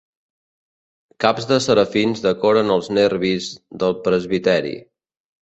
Caps de serafins decoren els nervis del presbiteri.